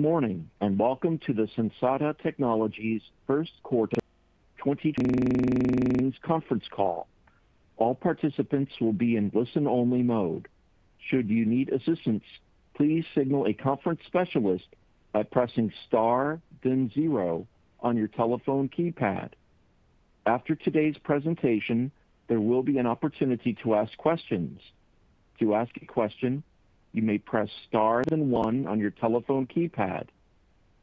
Good morning, welcome to the Sensata Technologies first quarter 2021 earnings conference call. All participants will be in listen-only mode. Should you need assistance, please signal a conference specialist by pressing star then zero on your telephone keypad. After today's presentation, there will be an opportunity to ask questions. To ask a question, you may press star then one on your telephone keypad.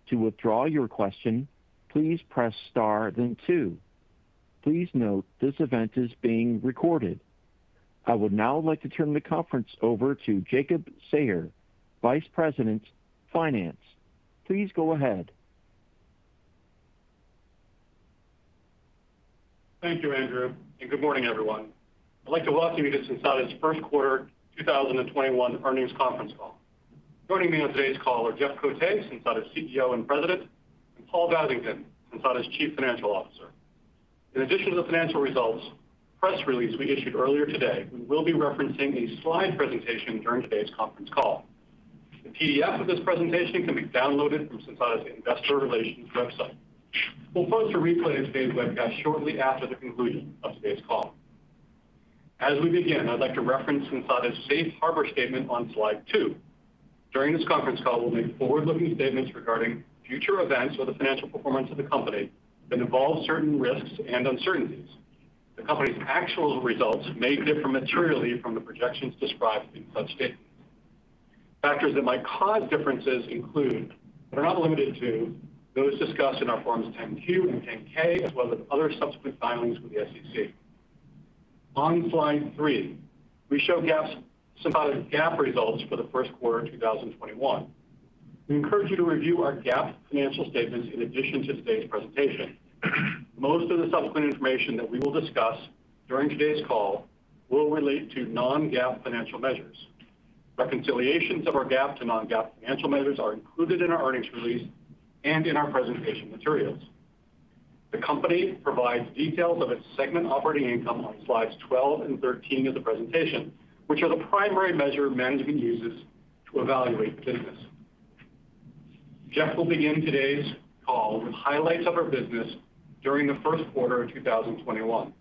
To withdraw your question, please press star then two. Please note, this event is being recorded. I would now like to turn the conference over to Jacob Sayer, Vice President, Finance. Please go ahead. Thank you, Andrew. Good morning, everyone. I'd like to welcome you to Sensata's first quarter 2021 earnings conference call. Joining me on today's call are Jeff Cote, Sensata's CEO and President, and Paul Vasington, Sensata's Chief Financial Officer. In addition to the financial results press release we issued earlier today, we will be referencing a slide presentation during today's conference call. The PDF of this presentation can be downloaded from Sensata's Investor Relations website. We'll post a replay of today's webcast shortly after the conclusion of today's call. As we begin, I'd like to reference Sensata's safe harbor statement on slide two. During this conference call, we'll make forward-looking statements regarding future events or the financial performance of the company that involve certain risks and uncertainties. The company's actual results may differ materially from the projections described in such statements. Factors that might cause differences include, but are not limited to, those discussed in our Forms 10-Q and 10-K, as well as other subsequent filings with the SEC. On slide three, we show Sensata's GAAP results for the first quarter of 2021. We encourage you to review our GAAP financial statements in addition to today's presentation. Most of the subsequent information that we will discuss during today's call will relate to non-GAAP financial measures. Reconciliations of our GAAP to non-GAAP financial measures are included in our earnings release and in our presentation materials. The company provides details of its segment operating income on slides 12 and 13 of the presentation, which are the primary measure management uses to evaluate the business. Jeff will begin today's call with highlights of our business during the first quarter of 2021.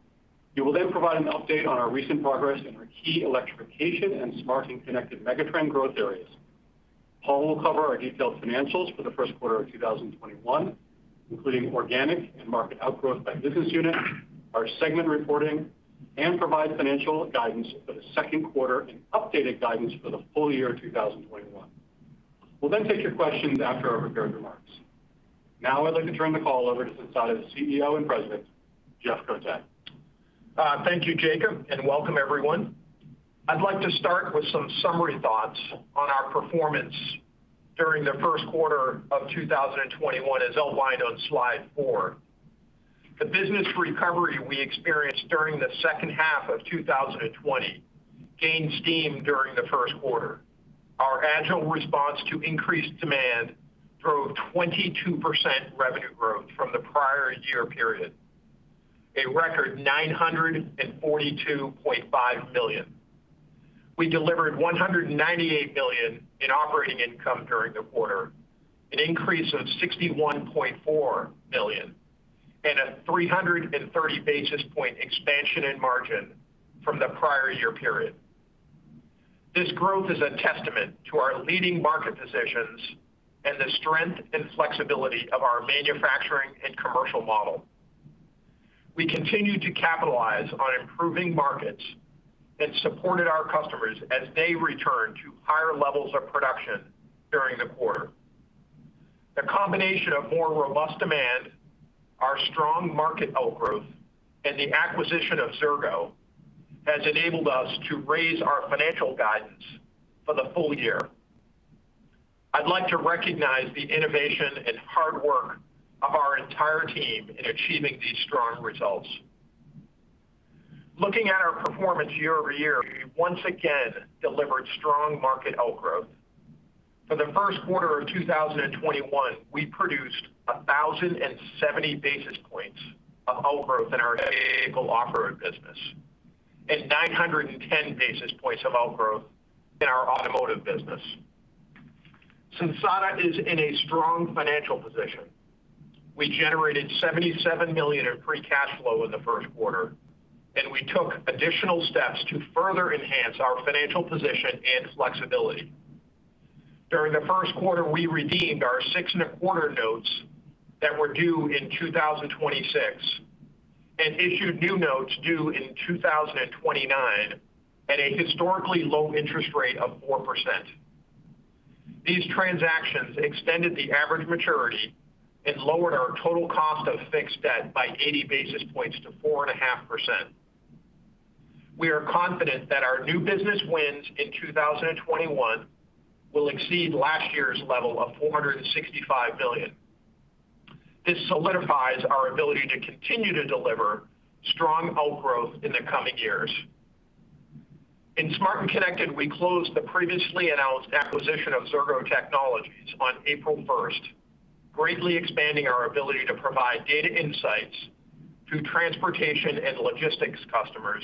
He will provide an update on our recent progress in our key electrification and Smart and Connected megatrend growth areas. Paul will cover our detailed financials for the first quarter of 2021, including organic and market outgrowth by business unit, our segment reporting, and provide financial guidance for the second quarter and updated guidance for the full year of 2021. We'll take your questions after our prepared remarks. Now I'd like to turn the call over to Sensata' CEO and President, Jeff Cote. Thank you, Jacob, and welcome everyone. I'd like to start with some summary thoughts on our performance during the first quarter of 2021, as outlined on slide four. The business recovery we experienced during the second half of 2020 gained steam during the first quarter. Our agile response to increased demand drove 22% revenue growth from the prior year period, a record $942.5 million. We delivered $198 million in operating income during the quarter, an increase of $61.4 million and a 330 basis point expansion in margin from the prior year period. This growth is a testament to our leading market positions and the strength and flexibility of our manufacturing and commercial model. We continued to capitalize on improving markets and supported our customers as they returned to higher levels of production during the quarter. The combination of more robust demand, our strong market outgrowth, and the acquisition of Xirgo has enabled us to raise our financial guidance for the full year. I'd like to recognize the innovation and hard work of our entire team in achieving these strong results. Looking at our performance year-over-year, we once again delivered strong market outgrowth. For the first quarter of 2021, we produced 1,070 basis points of outgrowth in our heavy vehicle off-road business and 910 basis points of outgrowth in our automotive business. Sensata is in a strong financial position. We generated $77 million of free cash flow in the first quarter, and we took additional steps to further enhance our financial position and flexibility. During the first quarter, we redeemed our six-and-a-quarter notes that were due in 2026 and issued new notes due in 2029 at a historically low interest rate of 4%. These transactions extended the average maturity and lowered our total cost of fixed debt by 80 basis points to 4.5%. We are confident that our new business wins in 2021 will exceed last year's level of $465 million. This solidifies our ability to continue to deliver strong outgrowth in the coming years. In Smart and Connected, we closed the previously announced acquisition of Xirgo Technologies on April 1st. Greatly expanding our ability to provide data insights to transportation and logistics customers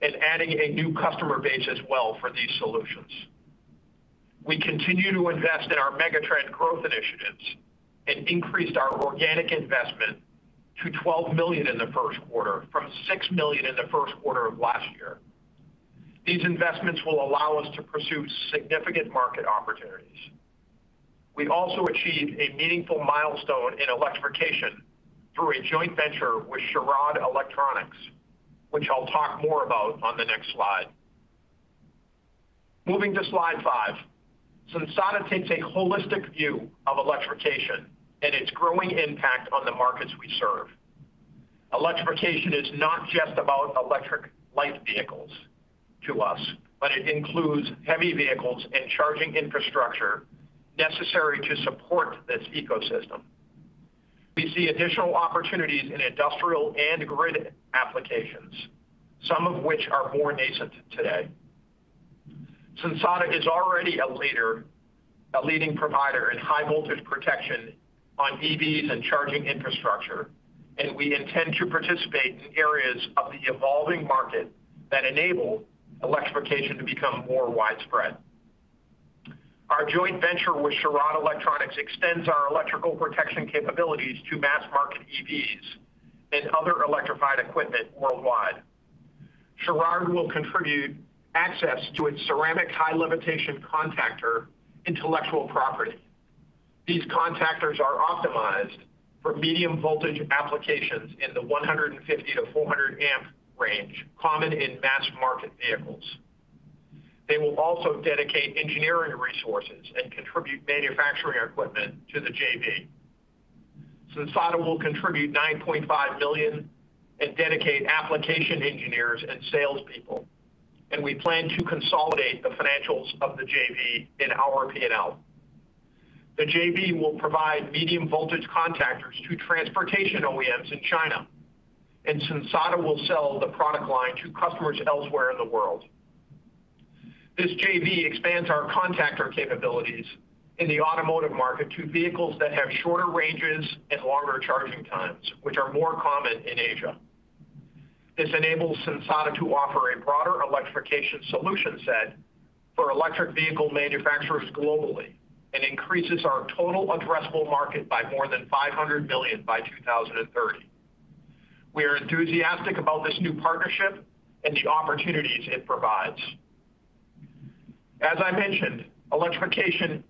and adding a new customer base as well for these solutions. We continue to invest in our megatrend growth initiatives and increased our organic investment to $12 million in the first quarter from $6 million in the first quarter of last year. These investments will allow us to pursue significant market opportunities. We also achieved a meaningful milestone in electrification through a joint venture with Churod Electronics, which I'll talk more about on the next slide. Moving to slide five. Sensata takes a holistic view of electrification and its growing impact on the markets we serve. Electrification is not just about electric light vehicles to us, but it includes heavy vehicles and charging infrastructure necessary to support this ecosystem. We see additional opportunities in industrial and grid applications, some of which are more nascent today. Sensata is already a leading provider in high voltage protection on EVs and charging infrastructure, and we intend to participate in areas of the evolving market that enable electrification to become more widespread. Our joint venture with Churod Electronics extends our electrical protection capabilities to mass market EVs and other electrified equipment worldwide. Churod will contribute access to its ceramic high limitation contactor intellectual property. These contactors are optimized for medium voltage applications in the 150-400 amp range, common in mass market vehicles. They will also dedicate engineering resources and contribute manufacturing equipment to the JV. Sensata will contribute $9.5 million and dedicate application engineers and salespeople, and we plan to consolidate the financials of the JV in our P&L. The JV will provide medium voltage contactors to transportation OEMs in China, and Sensata will sell the product line to customers elsewhere in the world. This JV expands our contactor capabilities in the automotive market to vehicles that have shorter ranges and longer charging times, which are more common in Asia. This enables Sensata to offer a broader electrification solution set for electric vehicle manufacturers globally and increases our total addressable market by more than $500 million by 2030. We are enthusiastic about this new partnership and the opportunities it provides. As I mentioned, electrification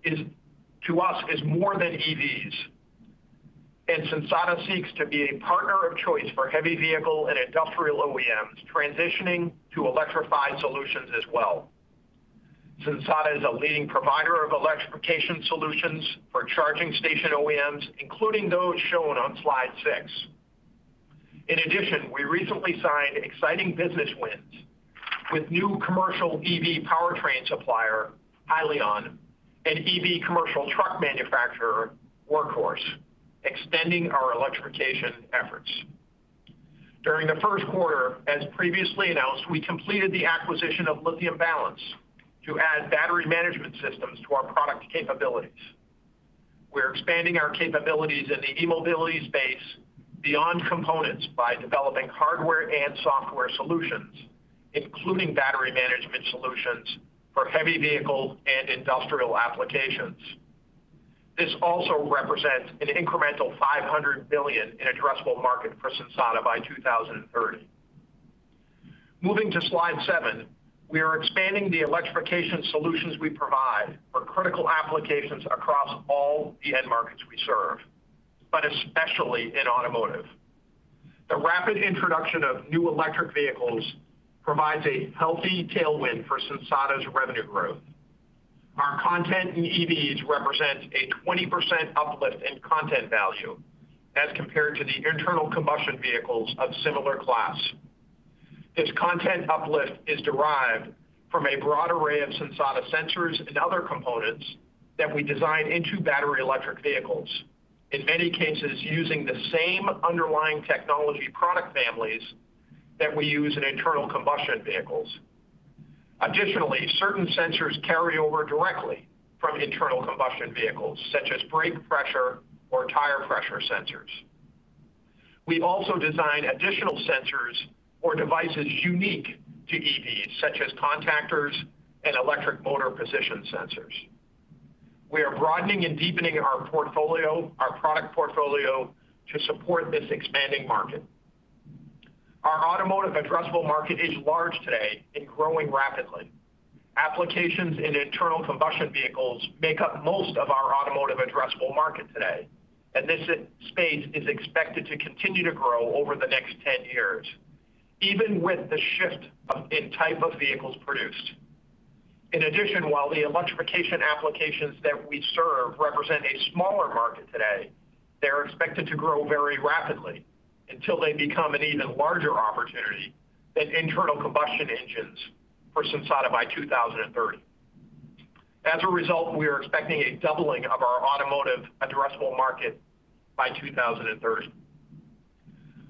to us is more than EVs, and Sensata seeks to be a partner of choice for heavy vehicle and industrial OEMs transitioning to electrified solutions as well. Sensata is a leading provider of electrification solutions for charging station OEMs, including those shown on slide six. In addition, we recently signed exciting business wins with new commercial EV powertrain supplier, Hyliion, and EV commercial truck manufacturer, Workhorse, extending our electrification efforts. During the first quarter, as previously announced, we completed the acquisition of Lithium Balance to add battery management systems to our product capabilities. We're expanding our capabilities in the e-mobility space beyond components by developing hardware and software solutions, including battery management solutions for heavy vehicle and industrial applications. This also represents an incremental $500 million in addressable market for Sensata by 2030. Moving to slide seven. We are expanding the electrification solutions we provide for critical applications across all the end markets we serve, but especially in automotive. The rapid introduction of new electric vehicles provides a healthy tailwind for Sensata's revenue growth. Our content in EVs represents a 20% uplift in content value as compared to the internal combustion vehicles of similar class. This content uplift is derived from a broad array of Sensata sensors and other components that we design into battery electric vehicles, in many cases, using the same underlying technology product families that we use in internal combustion vehicles. Additionally, certain sensors carry over directly from internal combustion vehicles, such as brake pressure or tire pressure sensors. We also design additional sensors or devices unique to EVs, such as contactors and electric motor position sensors. We are broadening and deepening our product portfolio to support this expanding market. Our automotive addressable market is large today and growing rapidly. Applications in internal combustion vehicles make up most of our automotive addressable market today, and this space is expected to continue to grow over the next 10 years, even with the shift in type of vehicles produced. While the electrification applications that we serve represent a smaller market today, they're expected to grow very rapidly until they become an even larger opportunity than internal combustion engines for Sensata by 2030. We are expecting a doubling of our automotive addressable market by 2030.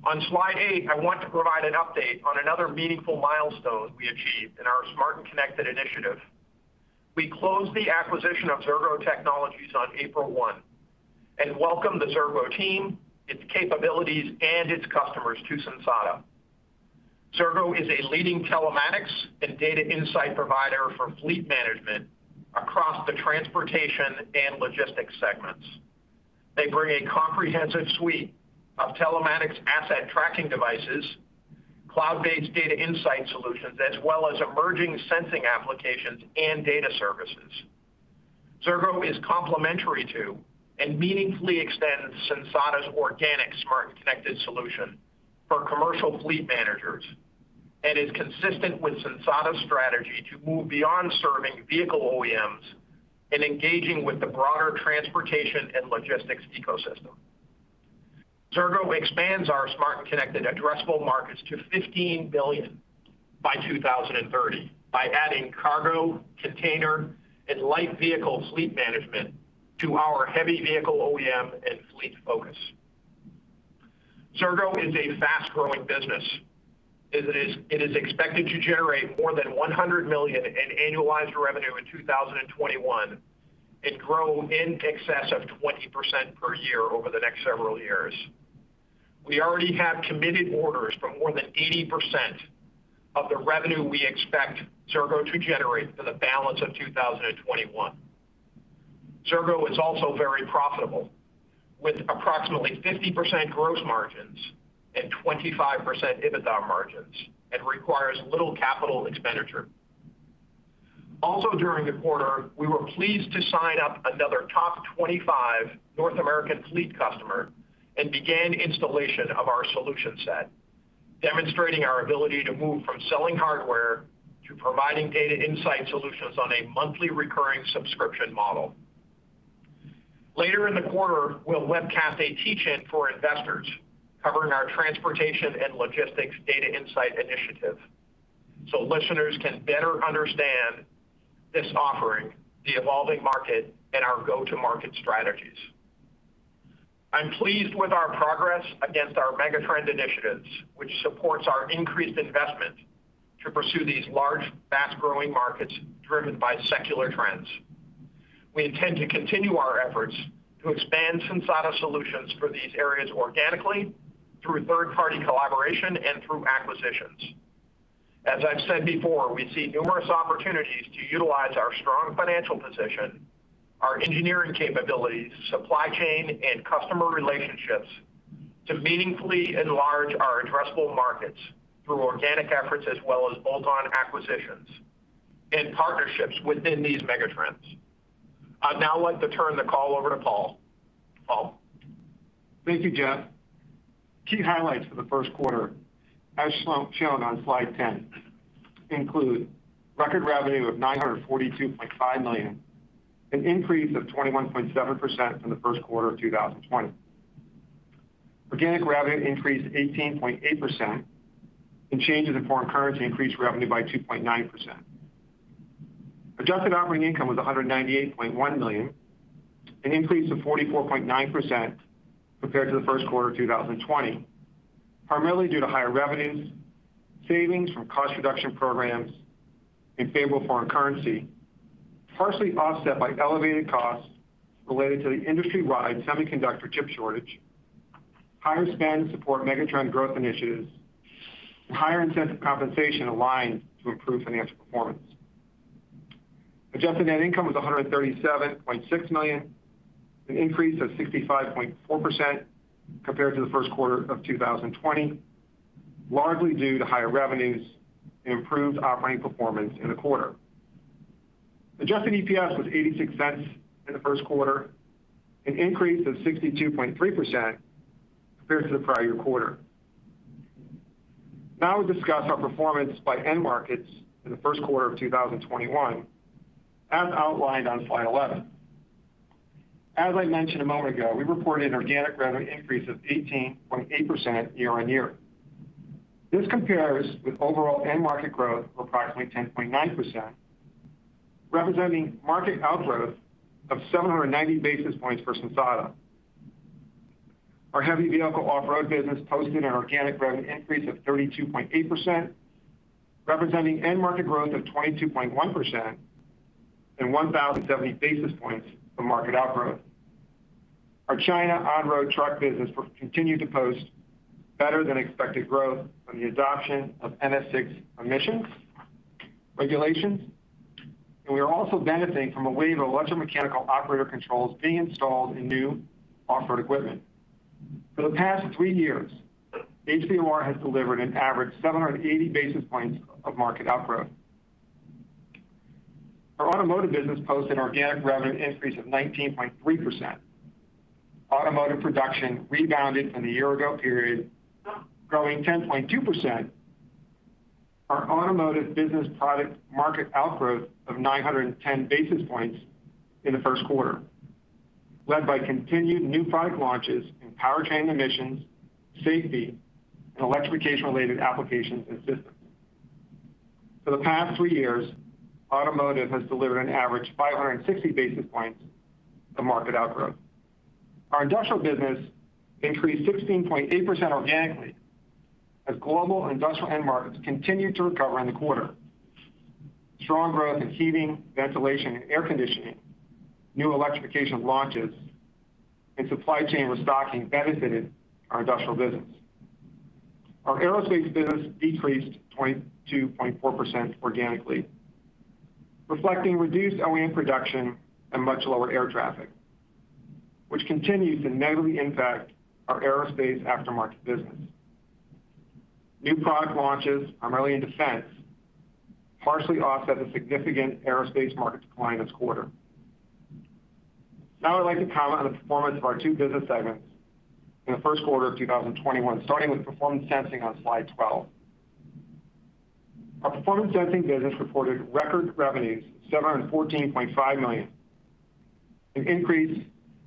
On slide eight, I want to provide an update on another meaningful milestone we achieved in our Smart and Connected initiative. We closed the acquisition of Xirgo Technologies on April one and welcomed the Xirgo team, its capabilities, and its customers to Sensata. Xirgo is a leading telematics and data insight provider for fleet management across the transportation and logistics segments. They bring a comprehensive suite of telematics asset tracking devices, cloud-based data insight solutions, as well as emerging sensing applications and data services. Xirgo is complementary to and meaningfully extends Sensata's organic Smart and Connected solution for commercial fleet managers and is consistent with Sensata's strategy to move beyond serving vehicle OEMs and engaging with the broader transportation and logistics ecosystem. Xirgo expands our Smart and Connected addressable markets to $15 billion by 2030 by adding cargo, container, and light vehicle fleet management to our heavy vehicle OEM and fleet focus. Xirgo is a fast-growing business. It is expected to generate more than $100 million in annualized revenue in 2021 and grow in excess of 20% per year over the next several years. We already have committed orders for more than 80% of the revenue we expect Xirgo to generate for the balance of 2021. Xirgo is also very profitable, with approximately 50% gross margins and 25% EBITDA margins and requires little capital expenditure. Also during the quarter, we were pleased to sign up another top 25 North American fleet customer and began installation of our solution set, demonstrating our ability to move from selling hardware to providing data insight solutions on a monthly recurring subscription model. Later in the quarter, we'll webcast a teach-in for investors covering our transportation and logistics data insight initiative so listeners can better understand this offering, the evolving market, and our go-to-market strategies. I'm pleased with our progress against our megatrend initiatives, which supports our increased investment to pursue these large, fast-growing markets driven by secular trends. We intend to continue our efforts to expand Sensata solutions for these areas organically through third-party collaboration and through acquisitions. As I've said before, we see numerous opportunities to utilize our strong financial position, our engineering capabilities, supply chain, and customer relationships to meaningfully enlarge our addressable markets through organic efforts as well as bolt-on acquisitions and partnerships within these megatrends. I'd now like to turn the call over to Paul. Paul? Thank you, Jeff. Key highlights for the first quarter, as shown on slide 10, include record revenue of $942.5 million, an increase of 21.7% from the first quarter of 2020. Organic revenue increased 18.8%, Changes in foreign currency increased revenue by 2.9%. Adjusted operating income was $198.1 million, an increase of 44.9% compared to the first quarter of 2020, primarily due to higher revenues, savings from cost reduction programs, and favorable foreign currency, partially offset by elevated costs related to the industry-wide semiconductor chip shortage, higher spend to support megatrend growth initiatives, and higher incentive compensation aligned to improve financial performance. Adjusted net income was $137.6 million, an increase of 65.4% compared to the first quarter of 2020, largely due to higher revenues and improved operating performance in the quarter. Adjusted EPS was $0.86 in the first quarter, an increase of 62.3% compared to the prior year quarter. We discuss our performance by end markets in the first quarter of 2021, as outlined on slide 11. As I mentioned a moment ago, we reported an organic revenue increase of 18.8% year-on-year. This compares with overall end market growth of approximately 10.9%, representing market outgrowth of 790 basis points for Sensata. Our heavy vehicle off-road business posted an organic revenue increase of 32.8%, representing end market growth of 22.1% and 1,070 basis points of market outgrowth. Our China on-road truck business continued to post better-than-expected growth from the adoption of China VI emissions regulations, and we are also benefiting from a wave of electromechanical operator controls being installed in new off-road equipment. For the past three years, HVOR has delivered an average 780 basis points of market outgrowth. Our automotive business posted organic revenue increase of 19.3%. Automotive production rebounded from the year ago period, growing 10.2%. Our automotive business product market outgrowth of 910 basis points in the first quarter, led by continued new product launches in powertrain emissions, safety, and electrification-related applications and systems. For the past three years, automotive has delivered an average 560 basis points to market outgrowth. Our industrial business increased 16.8% organically as global and industrial end markets continued to recover in the quarter. Strong growth in heating, ventilation, and air conditioning, new electrification launches, and supply chain restocking benefited our industrial business. Our aerospace business decreased 22.4% organically, reflecting reduced OEM production and much lower air traffic, which continues to negatively impact our aerospace aftermarket business. New product launches, primarily in defense, partially offset the significant aerospace market decline this quarter. Now I'd like to comment on the performance of our two business segments in the first quarter of 2021, starting with Performance Sensing on slide 12. Our Performance Sensing business reported record revenues, $714.5 million, an increase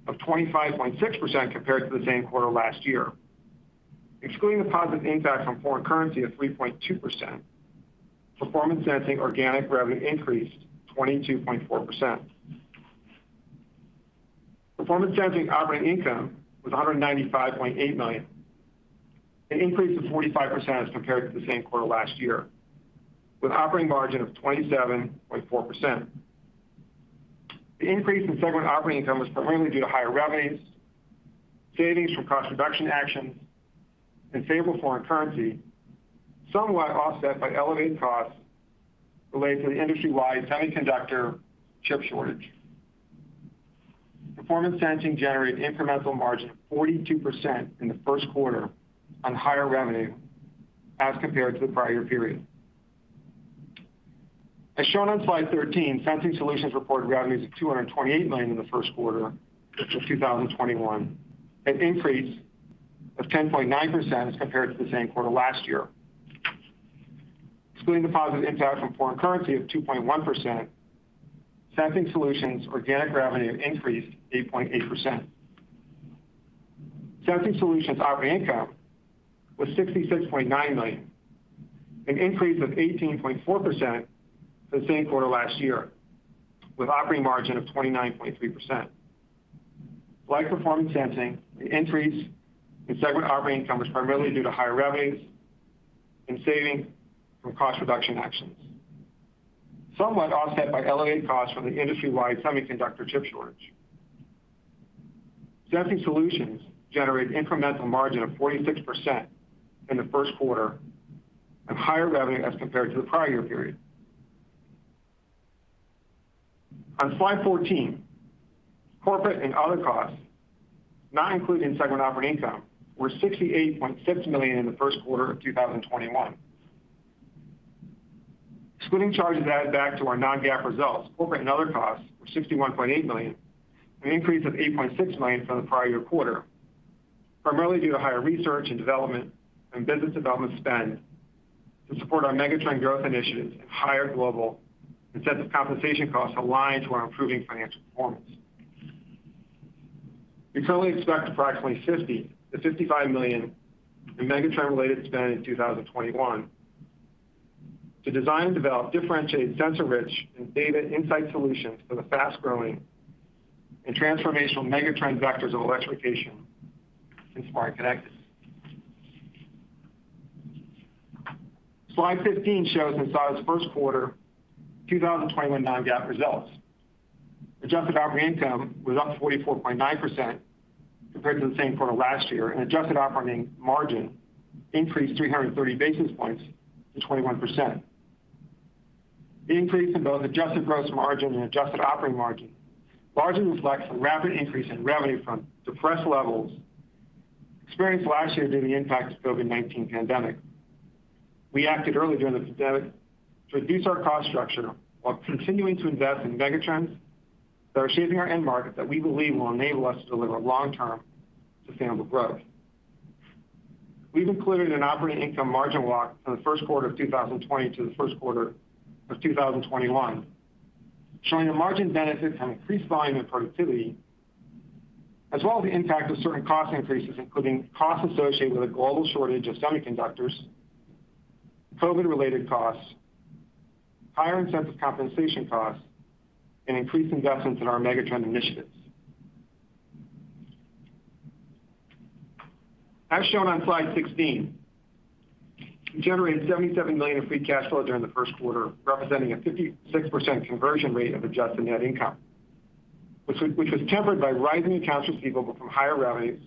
of 25.6% compared to the same quarter last year. Excluding the positive impact from foreign currency of 3.2%, Performance Sensing organic revenue increased 22.4%. Performance Sensing operating income was $195.8 million, an increase of 45% as compared to the same quarter last year, with operating margin of 27.4%. The increase in segment operating income was primarily due to higher revenues, savings from cost reduction actions, and favorable foreign currency, somewhat offset by elevated costs related to the industry-wide semiconductor chip shortage. Performance Sensing generated incremental margin of 42% in the first quarter on higher revenue as compared to the prior year period. As shown on slide 13, Sensing Solutions reported revenues of $228 million in the first quarter of 2021, an increase of 10.9% as compared to the same quarter last year. Excluding the positive impact from foreign currency of 2.1%, Sensing Solutions organic revenue increased 8.8%. Sensing Solutions operating income was $66.9 million, an increase of 18.4% to the same quarter last year, with operating margin of 29.3%. Like Performance Sensing, the increase in segment operating income was primarily due to higher revenues and saving from cost reduction actions, somewhat offset by elevated costs from the industry-wide semiconductor chip shortage. Sensing Solutions generated incremental margin of 46% in the first quarter and higher revenue as compared to the prior year period. On slide 14, corporate and other costs, not included in segment operating income, were $68.6 million in the first quarter of 2021. Excluding charges added back to our non-GAAP results, corporate and other costs were $61.8 million, an increase of $8.6 million from the prior year quarter, primarily due to higher research and development and business development spend to support our megatrend growth initiatives and higher global incentive compensation costs aligned to our improving financial performance. We currently expect approximately $50 million-$55 million in megatrend-related spend in 2021 to design and develop differentiated sensor-rich and data insight solutions for the fast-growing and transformational megatrend vectors of electrification and Smart and Connected. Slide 15 shows Sensata's first quarter 2021 non-GAAP results. Adjusted operating income was up 44.9% compared to the same quarter last year, and adjusted operating margin increased 330 basis points to 21%. The increase in both adjusted gross margin and adjusted operating margin largely reflects the rapid increase in revenue from depressed levels experienced last year due to the impact of COVID-19 pandemic. We acted early during the pandemic to reduce our cost structure while continuing to invest in megatrends that are shaping our end market that we believe will enable us to deliver long-term sustainable growth. We've included an operating income margin walk from the first quarter of 2020 to the first quarter of 2021, showing the margin benefit from increased volume and productivity, as well as the impact of certain cost increases, including costs associated with a global shortage of semiconductors, COVID-related costs, higher incentive compensation costs, and increased investments in our megatrend initiatives. As shown on slide 16, we generated $77 million in free cash flow during the first quarter, representing a 56% conversion rate of adjusted net income, which was tempered by rising accounts receivable from higher revenues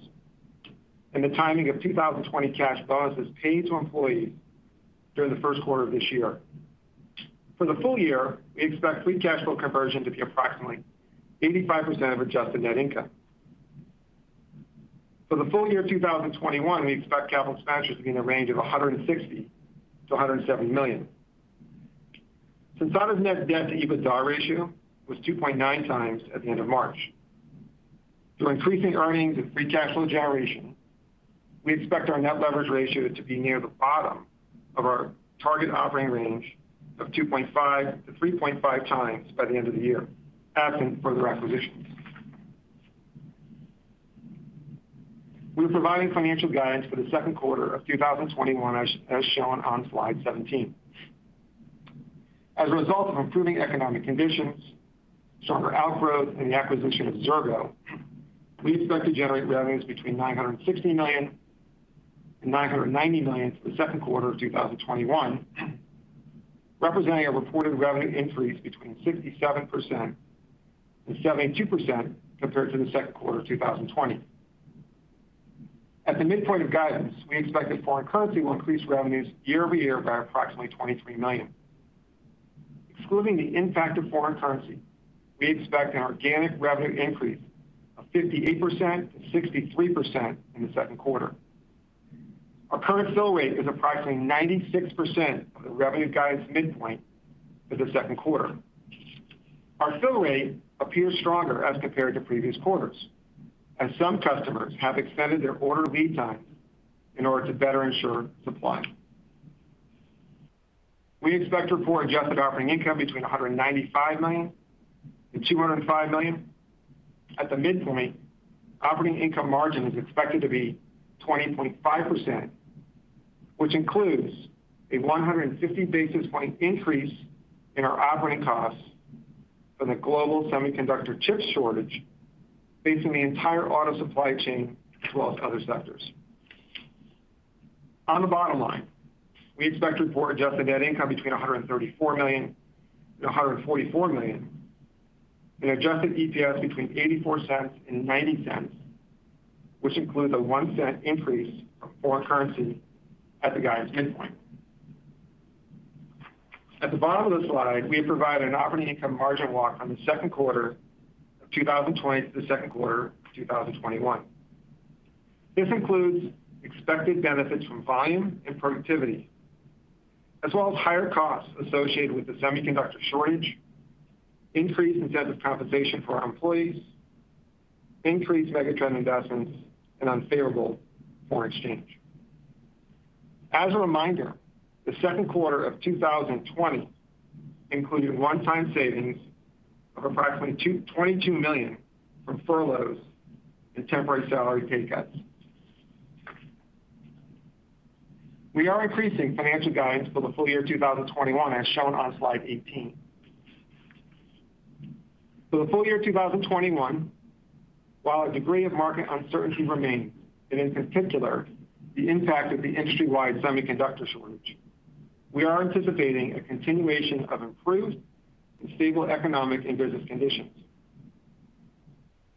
and the timing of 2020 cash bonuses paid to employees during the first quarter of this year. For the full year, we expect free cash flow conversion to be approximately 85% of adjusted net income. For the full year 2021, we expect capital expenditures to be in the range of $160 million-$170 million. Sensata's net debt to EBITDA ratio was 2.9x at the end of March. Through increasing earnings and free cash flow generation, we expect our net leverage ratio to be near the bottom of our target operating range of 2.5x to 3.5x by the end of the year, absent further acquisitions. We're providing financial guidance for the second quarter of 2021 as shown on slide 17. As a result of improving economic conditions, stronger off-road, and the acquisition of Xirgo, we expect to generate revenues between $960 million and $990 million for the second quarter of 2021, representing a reported revenue increase between 67% and 72% compared to the second quarter of 2020. At the midpoint of guidance, we expect that foreign currency will increase revenues year-over-year by approximately $23 million. Excluding the impact of foreign currency, we expect an organic revenue increase of 58% to 63% in the second quarter. Our current fill rate is approximately 96% of the revenue guidance midpoint for the second quarter. Our fill rate appears stronger as compared to previous quarters, as some customers have extended their order lead times in order to better ensure supply. We expect to report adjusted operating income between $195 million and $205 million. At the midpoint, operating income margin is expected to be 20.5%, which includes a 150 basis point increase in our operating costs from the global semiconductor chip shortage facing the entire auto supply chain, as well as other sectors. On the bottom line, we expect to report adjusted net income between $134 million and $144 million, and adjusted EPS between $0.84 and $0.90, which includes a $0.01 increase from foreign currency at the guidance midpoint. At the bottom of the slide, we have provided an operating income margin walk from the second quarter of 2020 to the second quarter of 2021. This includes expected benefits from volume and productivity, as well as higher costs associated with the semiconductor shortage, increase in incentive compensation for our employees, increased megatrends investments, and unfavorable foreign exchange. As a reminder, the second quarter of 2020 included one-time savings of approximately $22 million from furloughs and temporary salary pay cuts. We are increasing financial guidance for the full year 2021 as shown on slide 18. For the full year 2021, while a degree of market uncertainty remains, and in particular, the impact of the industry-wide semiconductor shortage, we are anticipating a continuation of improved and stable economic and business conditions.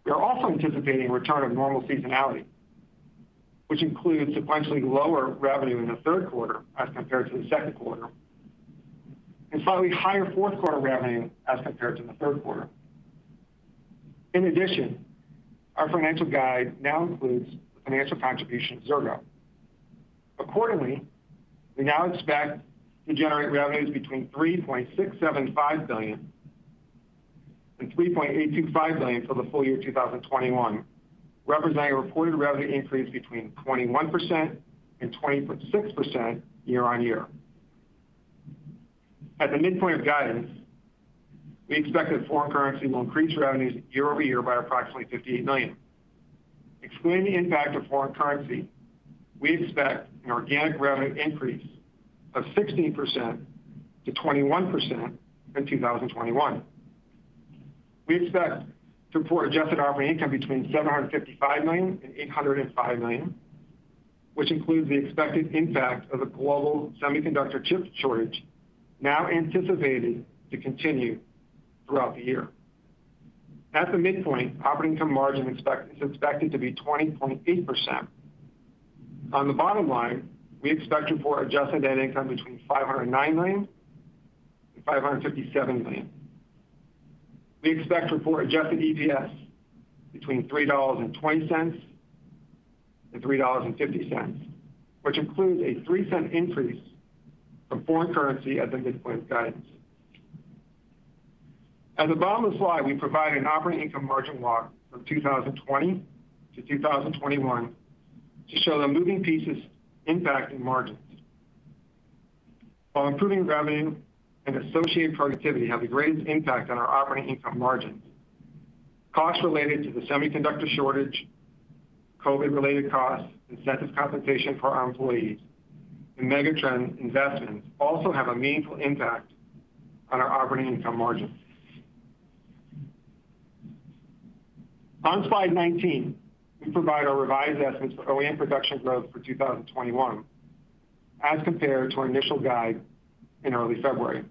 We are also anticipating a return of normal seasonality, which includes sequentially lower revenue in the third quarter as compared to the second quarter, and slightly higher fourth quarter revenue as compared to the third quarter. Our financial guide now includes the financial contribution of Xirgo. We now expect to generate revenues between $3.675 billion and $3.825 billion for the full year 2021, representing a reported revenue increase between 21% and 26% year-on-year. At the midpoint of guidance, we expect that foreign currency will increase revenues year-over-year by approximately $58 million. Excluding the impact of foreign currency, we expect an organic revenue increase of 16%-21% in 2021. We expect to report adjusted operating income between $755 million and $805 million, which includes the expected impact of the global semiconductor chip shortage now anticipated to continue throughout the year. At the midpoint, operating income margin is expected to be 20.8%. On the bottom line, we expect to report adjusted net income between $509 million and $557 million. We expect to report adjusted EPS between $3.20 and $3.50, which includes a $0.03 increase from foreign currency at the midpoint of guidance. At the bottom of the slide, we provide an operating income margin walk from 2020 to 2021 to show the moving pieces impacting margins. While improving revenue and associated productivity have the greatest impact on our operating income margins, costs related to the semiconductor shortage, COVID related costs, incentive compensation for our employees, and megatrend investments also have a meaningful impact on our operating income margins. On slide 19, we provide our revised estimates for OEM production growth for 2021 as compared to our initial guide in early February.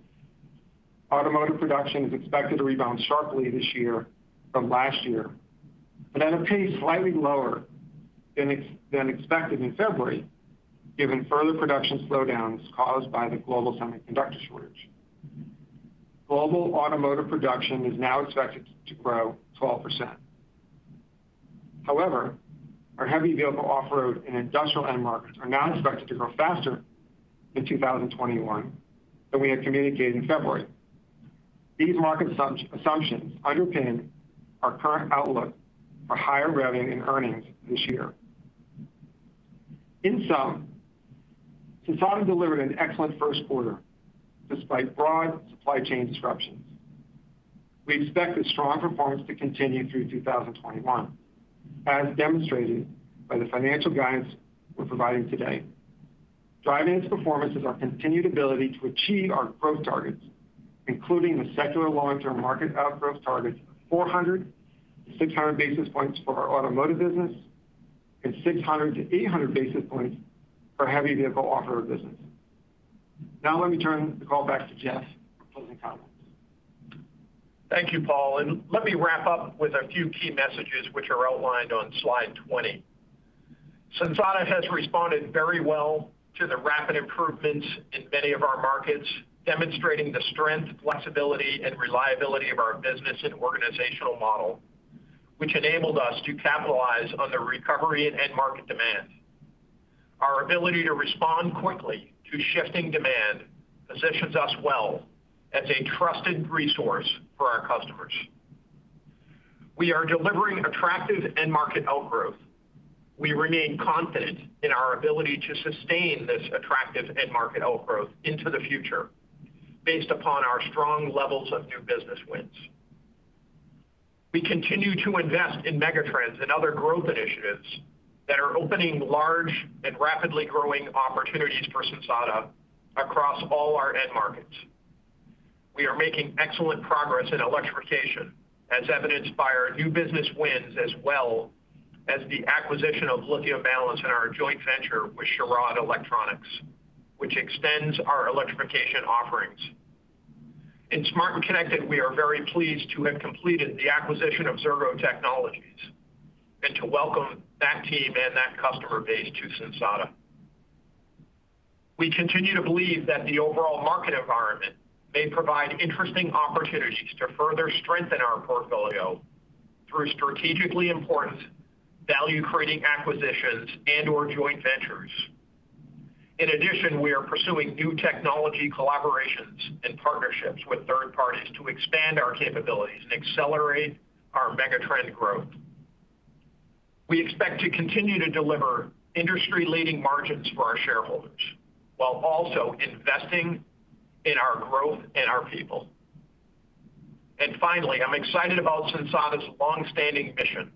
Automotive production is expected to rebound sharply this year from last year, but at a pace slightly lower than expected in February, given further production slowdowns caused by the global semiconductor shortage. Global automotive production is now expected to grow 12%. Our Heavy Vehicle Off-Road and industrial end markets are now expected to grow faster in 2021 than we had communicated in February. These market assumptions underpin our current outlook for higher revenue and earnings this year. Sensata delivered an excellent first quarter despite broad supply chain disruptions. We expect a strong performance to continue through 2021, as demonstrated by the financial guidance we're providing today. Driving this performance is our continued ability to achieve our growth targets, including the secular long-term market outgrowth targets of 400 basis points-600 basis points for our automotive business and 600 basis points-800 basis points for Heavy Vehicle Off-Road business. Now, let me turn the call back to Jeff for closing comments. Thank you, Paul. Let me wrap up with a few key messages which are outlined on slide 20. Sensata has responded very well to the rapid improvements in many of our markets, demonstrating the strength, flexibility, and reliability of our business and organizational model, which enabled us to capitalize on the recovery and end market demand. Our ability to respond quickly to shifting demand positions us well as a trusted resource for our customers. We are delivering attractive end-market outgrowth. We remain confident in our ability to sustain this attractive end-market outgrowth into the future based upon our strong levels of new business wins. We continue to invest in megatrends and other growth initiatives that are opening large and rapidly growing opportunities for Sensata across all our end markets. We are making excellent progress in electrification, as evidenced by our new business wins as well as the acquisition of Lithium Balance and our joint venture with Churod Electronics, which extends our electrification offerings. In Smart and Connected, we are very pleased to have completed the acquisition of Xirgo Technologies and to welcome that team and that customer base to Sensata. We continue to believe that the overall market environment may provide interesting opportunities to further strengthen our portfolio through strategically important value-creating acquisitions and/or joint ventures. In addition, we are pursuing new technology collaborations and partnerships with third parties to expand our capabilities and accelerate our megatrend growth. We expect to continue to deliver industry-leading margins for our shareholders, while also investing in our growth and our people. Finally, I'm excited about Sensata's longstanding mission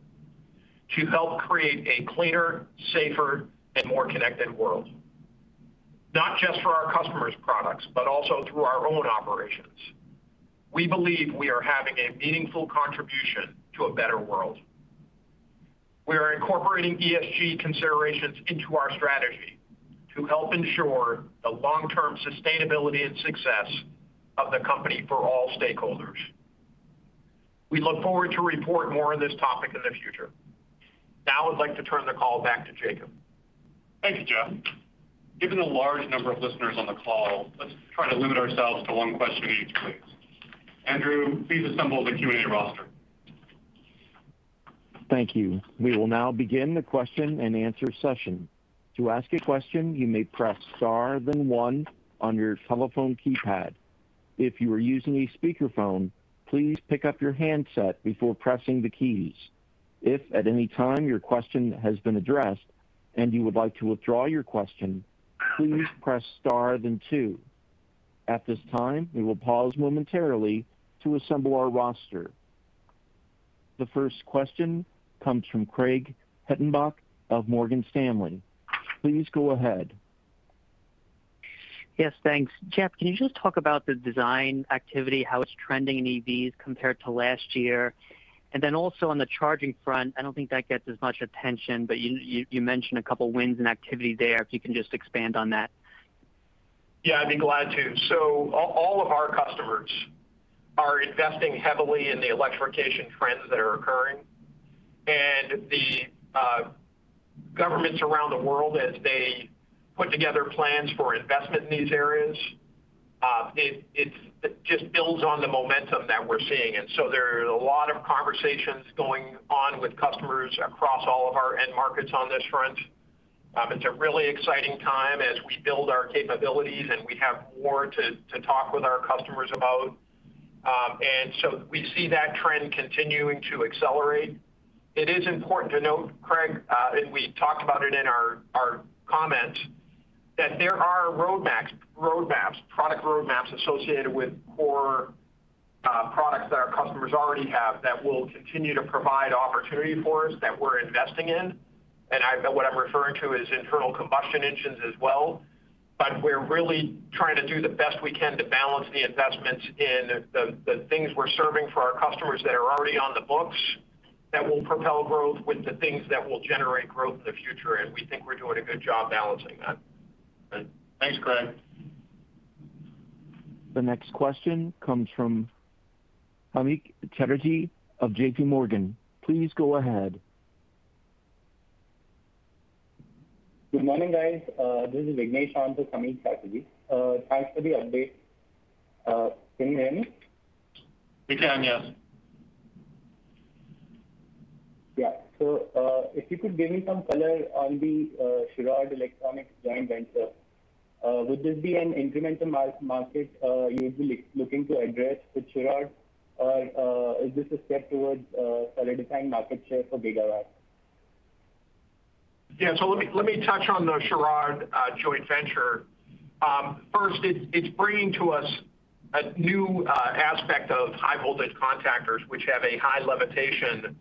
to help create a cleaner, safer, and more connected world, not just for our customers' products, but also through our own operations. We believe we are having a meaningful contribution to a better world. We are incorporating ESG considerations into our strategy to help ensure the long-term sustainability and success of the company for all stakeholders. We look forward to report more on this topic in the future. Now, I'd like to turn the call back to Jacob. Thank you, Jeff. Given the large number of listeners on the call, let's try to limit ourselves to one question each, please. Andrew, please assemble the Q&A roster. Thank you. We will now begin the question and answer session. To ask a question, you may press star then one on your telephone keypad. If you are using a speakerphone, please pick up your handset before pressing the keys. If at any time your question has been addressed and you would like to withdraw your question, please press star then two. At this time, we will pause momentarily to assemble our roster. The first question comes from Craig Hettenbach of Morgan Stanley. Please go ahead. Yes, thanks. Jeff, can you just talk about the design activity, how it's trending in EVs compared to last year? Also on the charging front, I don't think that gets as much attention, but you mentioned a couple wins and activity there, if you can just expand on that. Yeah, I'd be glad to. All of our customers are investing heavily in the electrification trends that are occurring. The governments around the world, as they put together plans for investment in these areas, it just builds on the momentum that we're seeing. There are a lot of conversations going on with customers across all of our end markets on this front. It's a really exciting time as we build our capabilities, and we have more to talk with our customers about. We see that trend continuing to accelerate. It is important to note, Craig, and we talked about it in our comments, that there are roadmaps, product roadmaps associated with core products that our customers already have that will continue to provide opportunity for us, that we're investing in. What I'm referring to is internal combustion engines as well. We're really trying to do the best we can to balance the investments in the things we're serving for our customers that are already on the books that will propel growth with the things that will generate growth in the future, and we think we're doing a good job balancing that. Thanks, Craig. The next question comes from Samik Chatterjee of J.P. Morgan. Please go ahead. Good morning, guys. This is Samik Chatterjee. Thanks for the update. Can you hear me? We can, yes. Yeah. If you could give me some color on the Churod Electronics joint venture, would this be an incremental market you'll be looking to address with Churod? Or is this a step towards solidifying market share for GIGAVAC? Let me touch on the Churod joint venture. First, it's bringing to us a new aspect of high-voltage contactors, which have a high limitation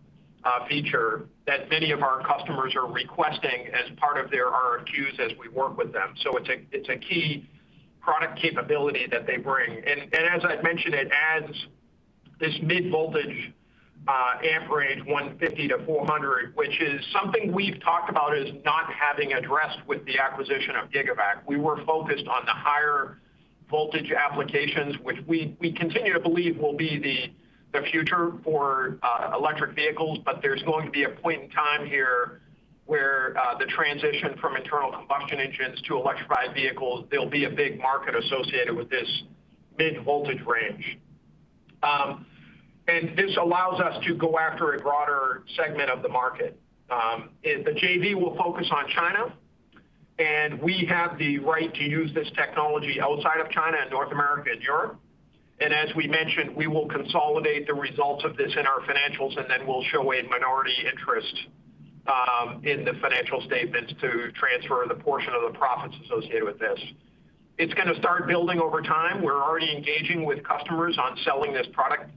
feature that many of our customers are requesting as part of their RFQs as we work with them. As I'd mentioned, it adds this mid-voltage amperage 150 to 400, which is something we've talked about as not having addressed with the acquisition of GIGAVAC. We were focused on the higher voltage applications, which we continue to believe will be the future for electric vehicles. There's going to be a point in time here where the transition from internal combustion engines to electrified vehicles, there'll be a big market associated with this mid-voltage range. This allows us to go after a broader segment of the market. The JV will focus on China, and we have the right to use this technology outside of China and North America and Europe. As we mentioned, we will consolidate the results of this in our financials, and then we'll show a minority interest in the financial statements to transfer the portion of the profits associated with this. It's going to start building over time. We're already engaging with customers on selling this product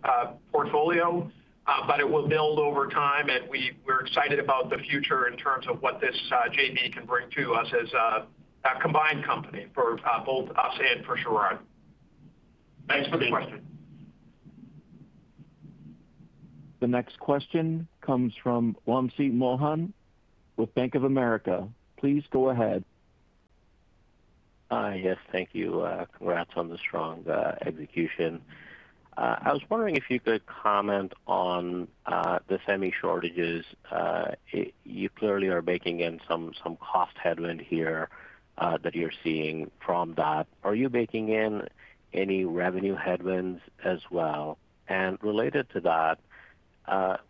portfolio, but it will build over time, and we're excited about the future in terms of what this JV can bring to us as a combined company for both us and for Churod. Thanks for the question. The next question comes from Wamsi Mohan with Bank of America. Please go ahead. Hi, yes. Thank you. Congrats on the strong execution. I was wondering if you could comment on the semi shortages. You clearly are baking in some cost headwind here that you're seeing from that. Are you baking in any revenue headwinds as well? Related to that,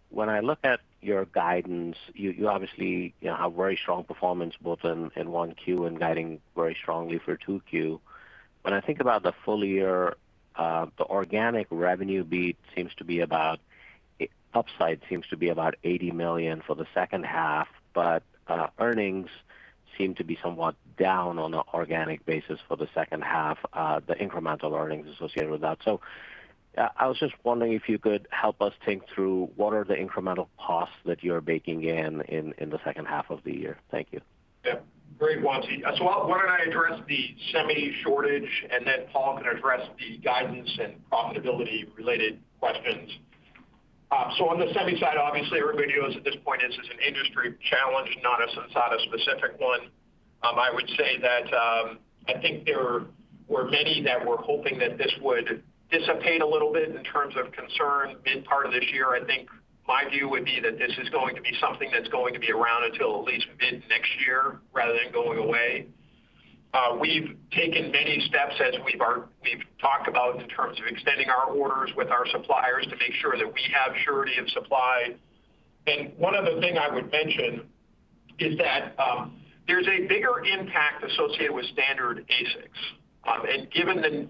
when I look at your guidance, you obviously have very strong performance both in 1Q and guiding very strongly for 2Q. When I think about the full year, the organic revenue beat seems to be upside seems to be about $80 million for the second half, earnings seem to be somewhat down on an organic basis for the second half, the incremental earnings associated with that. I was just wondering if you could help us think through what are the incremental costs that you're baking in the second half of the year. Thank you. Yeah. Great, Wamsi. Why don't I address the semi shortage, and then Paul can address the guidance and profitability-related questions. On the semi side, obviously, our view is at this point is it's an industry challenge, not a Sensata specific one. I would say that I think there were many that were hoping that this would dissipate a little bit in terms of concern mid part of this year. I think my view would be that this is going to be something that's going to be around until at least mid next year rather than going away. We've taken many steps as we've talked about in terms of extending our orders with our suppliers to make sure that we have surety of supply. One other thing I would mention is that there's a bigger impact associated with standard ASICs. Given,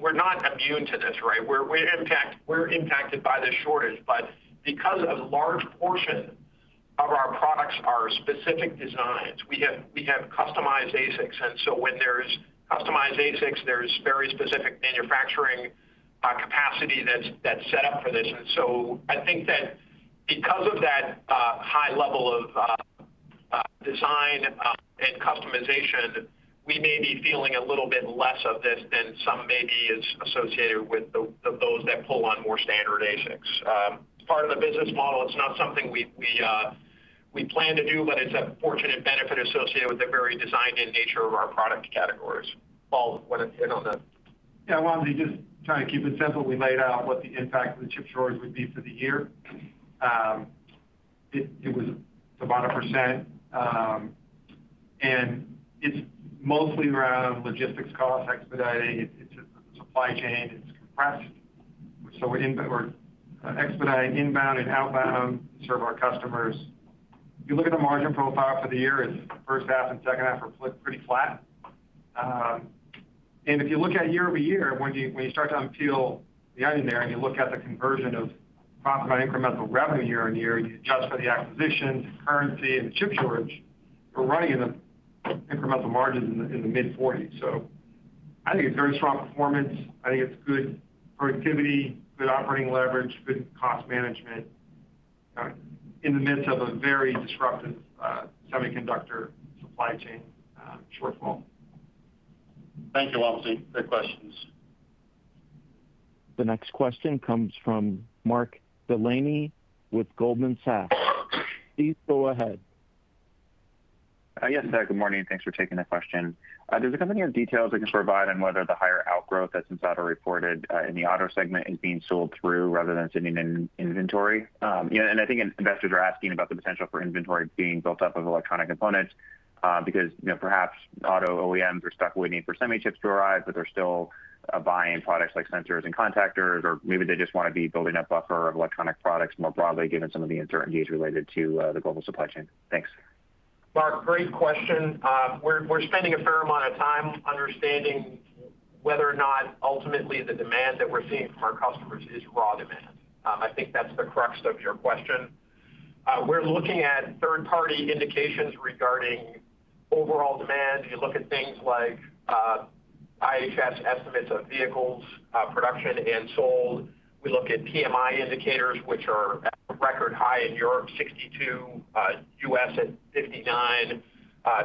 we're not immune to this, right? We're impacted by the shortage. Because a large portion of our products are specific designs, we have customized ASICs. When there's customized ASICs, there's very specific manufacturing capacity that's set up for this. I think that because of that high level of design and customization, we may be feeling a little bit less of this than some maybe is associated with those that pull on more standard ASICs. It's part of the business model. It's not something we plan to do, but it's a fortunate benefit associated with the very design and nature of our product categories. Paul, you want to hit on the? Wamsi, just trying to keep it simple. We laid out what the impact of the chip shortage would be for the year. It's about 1%, and it's mostly around logistics costs, expediting. It's just the supply chain is compressed. We're expediting inbound and outbound to serve our customers. If you look at the margin profile for the year, first half and second half are pretty flat. If you look at year-over-year, when you start to peel the onion there and you look at the conversion of profit on incremental revenue year-on-year, you adjust for the acquisitions, currency, and the chip shortage, we're running in the incremental margins in the mid-40s. I think it's very strong performance. I think it's good productivity, good operating leverage, good cost management in the midst of a very disruptive semiconductor supply chain shortfall. Thank you, Wamsi. Good questions. The next question comes from Mark Delaney with Goldman Sachs. Please go ahead. Yes, good morning, and thanks for taking the question. There's a couple of new details I can provide on whether the higher outgrowth that Sensata reported in the auto segment is being sold through rather than sitting in inventory. I think investors are asking about the potential for inventory being built up of electronic components, because perhaps auto OEMs are stuck waiting for semi chips to arrive, but they're still buying products like sensors and contactors. Maybe they just want to be building a buffer of electronic products more broadly, given some of the uncertainties related to the global supply chain. Thanks. Mark, great question. We're spending a fair amount of time understanding whether or not ultimately the demand that we're seeing from our customers is raw demand. I think that's the crux of your question. We're looking at third-party indications regarding overall demand. You look at things like IHS estimates of vehicles production and sold. We look at PMI indicators, which are at a record high in Europe, 62, U.S. at 59.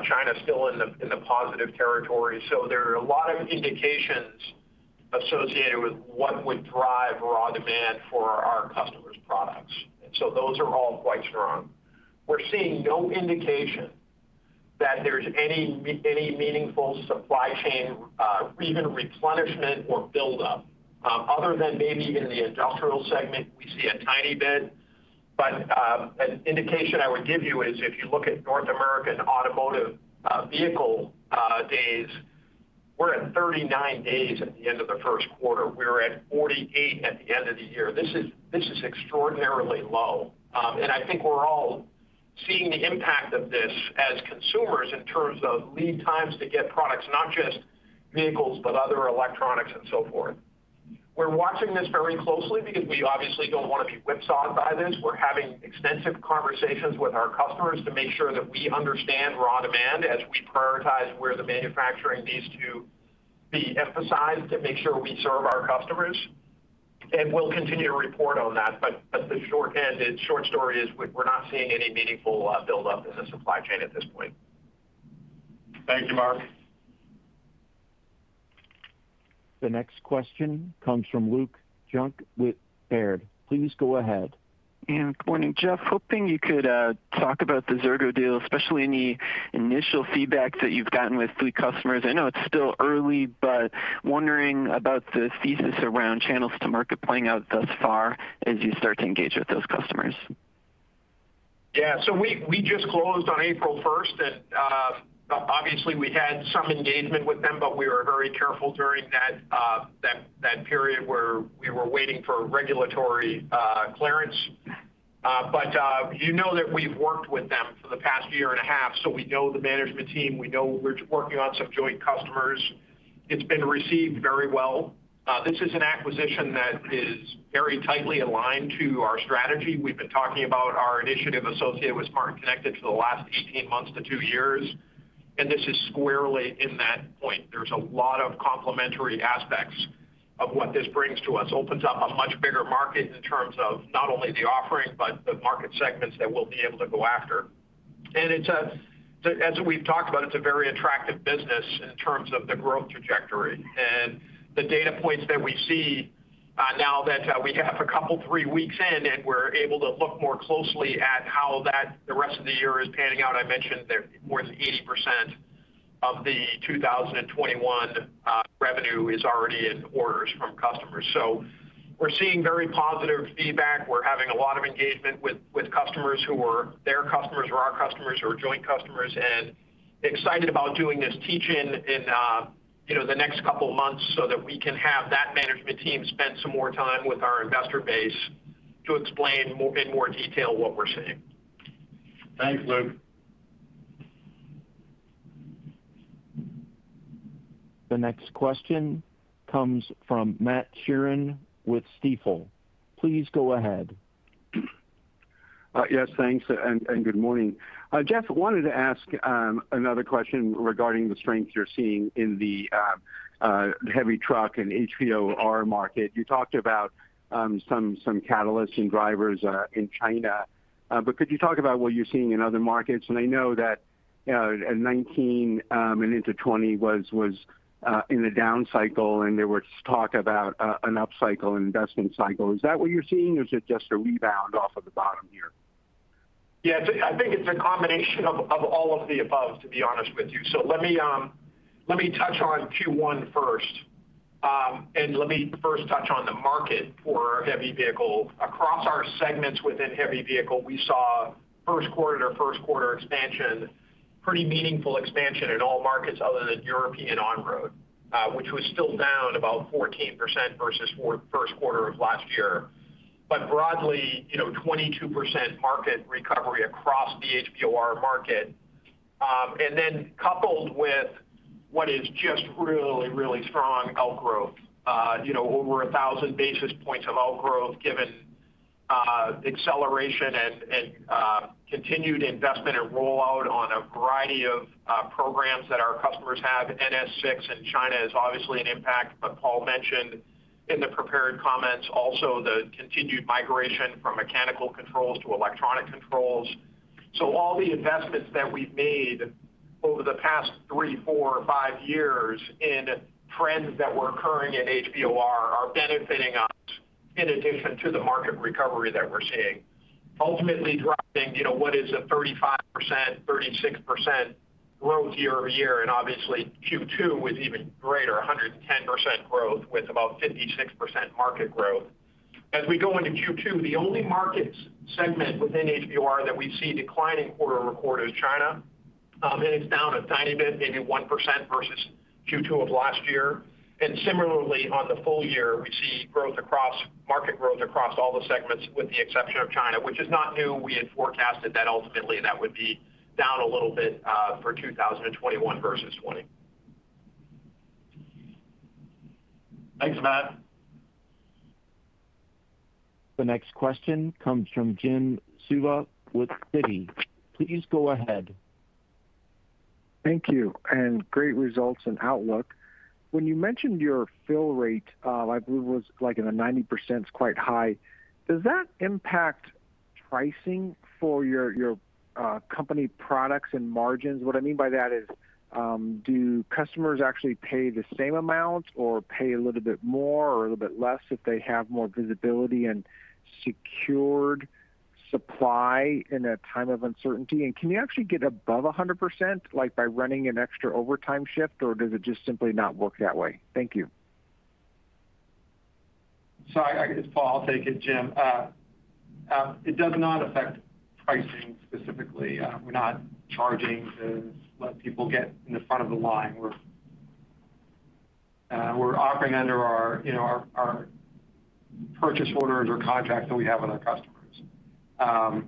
China still in the positive territory. There are a lot of indications associated with what would drive raw demand for our customers' products. Those are all quite strong. We're seeing no indication that there's any meaningful supply chain, even replenishment or buildup. Other than maybe in the industrial segment, we see a tiny bit. An indication I would give you is if you look at North American automotive vehicle days, we're at 39 days at the end of the first quarter. We were at 48 at the end of the year. This is extraordinarily low. I think we're all seeing the impact of this as consumers in terms of lead times to get products, not just vehicles, but other electronics and so forth. We're watching this very closely because we obviously don't want to be whipsawed by this. We're having extensive conversations with our customers to make sure that we understand raw demand as we prioritize where the manufacturing needs to be emphasized to make sure we serve our customers. We'll continue to report on that, but the short story is we're not seeing any meaningful buildup in the supply chain at this point. Thank you, Mark. The next question comes from Luke Junk with Baird. Please go ahead. Yeah. Good morning, Jeff. Hoping you could talk about the Xirgo deal, especially any initial feedback that you've gotten with fleet customers. I know it's still early, but wondering about the thesis around channels to market playing out thus far as you start to engage with those customers. We just closed on April 1st. Obviously we had some engagement with them, but we were very careful during that period where we were waiting for regulatory clearance. You know that we've worked with them for the past year and a half, so we know the management team. We know we're working on some joint customers. It's been received very well. This is an acquisition that is very tightly aligned to our strategy. We've been talking about our initiative associated with Smart and Connected for the last 18 months to two years, and this is squarely in that point. There's a lot of complementary aspects of what this brings to us. Opens up a much bigger market in terms of not only the offering, but the market segments that we'll be able to go after. As we've talked about, it's a very attractive business in terms of the growth trajectory. The data points that we see now that we have a couple, three weeks in, and we're able to look more closely at how the rest of the year is panning out. I mentioned that more than 80% of the 2021 revenue is already in orders from customers. We're seeing very positive feedback. We're having a lot of engagement with customers who were their customers, or our customers, or joint customers, and excited about doing this teach-in in the next couple of months so that we can have that management team spend some more time with our investor base to explain in more detail what we're seeing. Thanks, Luke. The next question comes from Matt Sheerin with Stifel. Please go ahead. Yes, thanks, and good morning. Jeff, wanted to ask another question regarding the strength you're seeing in the heavy truck and HVOR market. You talked about some catalysts and drivers in China. Could you talk about what you're seeing in other markets? I know that 2019 and into 2020 was in a down cycle, and there was talk about an upcycle and investment cycle. Is that what you're seeing, or is it just a rebound off of the bottom here? Yeah. I think it's a combination of all of the above, to be honest with you. Let me touch on Q1 first. Let me first touch on the market for heavy vehicle. Across our segments within heavy vehicle, we saw first quarter to first quarter expansion, pretty meaningful expansion in all markets other than European on-road, which was still down about 14% versus first quarter of last year. Broadly, 22% market recovery across the HVOR market. Coupled with what is just really strong outgrowth. Over 1,000 basis points of outgrowth given acceleration and continued investment and rollout on a variety of programs that our customers have. China VI in China is obviously an impact, but Paul mentioned in the prepared comments also the continued migration from mechanical controls to electronic controls. All the investments that we've made over the past three, four, five years in trends that were occurring in HVOR are benefiting us in addition to the market recovery that we're seeing. Ultimately, driving what is a 35%, 36% growth year-over-year, and obviously Q2 was even greater, 110% growth with about 56% market growth. As we go into Q2, the only market segment within HVOR that we see declining quarter-over-quarter is China. It's down a tiny bit, maybe 1% versus Q2 of last year. Similarly, on the full year, we see market growth across all the segments, with the exception of China, which is not new. We had forecasted that ultimately that would be down a little bit for 2021 versus 2020. Thanks, Matt. The next question comes from Jim Suva with Citi. Please go ahead. Thank you. Great results and outlook. When you mentioned your fill rate, I believe it was like in the 90% is quite high. Does that impact pricing for your company products and margins? What I mean by that is, do customers actually pay the same amount or pay a little bit more or a little bit less if they have more visibility and secured supply in a time of uncertainty? Can you actually get above 100%, like by running an extra overtime shift, or does it just simply not work that way? Thank you. This is Paul. I'll take it, Jim. It does not affect pricing specifically. We're not charging to let people get in the front of the line. We're operating under our purchase orders or contracts that we have with our customers.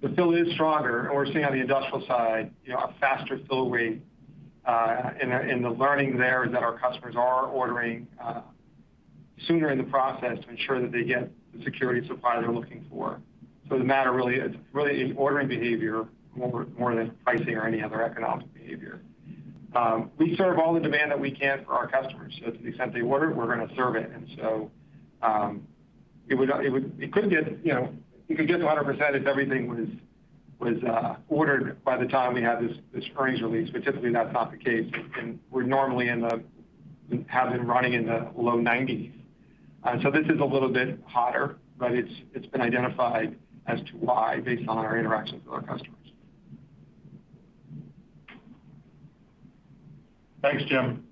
The fill is stronger, and we're seeing on the industrial side a faster fill rate. The learning there is that our customers are ordering sooner in the process to ensure that they get the security of supply they're looking for. The matter really is ordering behavior more than pricing or any other economic behavior. We serve all the demand that we can for our customers. To the extent they order, we're going to serve it. It could get to 100% if everything was ordered by the time we had this earnings release but typically that's not the case. We normally have been running in the low 90s. This is a little bit hotter, but it's been identified as to why based on our interactions with our customers. Thanks, Jim.